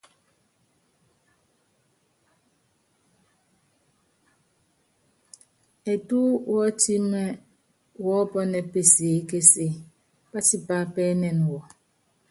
Etú wɔ́tímɛ wɔ́pɔnɛ́ɛ peseékése, pátipápɛ́nɛn wɔ.